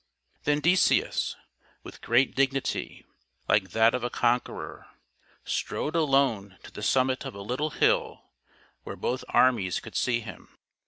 Then Decius, with great dignity, like that of a conqueror, strode alone to the summit of a little hill where both armies could see him.